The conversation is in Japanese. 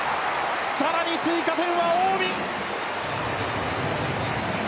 さらに追加点は近江。